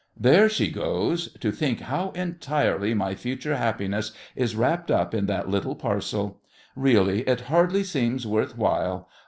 There she goes! To think how entirely my future happiness is wrapped up in that little parcel! Really, it hardly seems worth while!